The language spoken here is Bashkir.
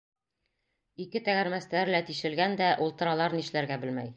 Ике тәгәрмәстәре лә тишелгән дә, ултыралар нишләргә белмәй.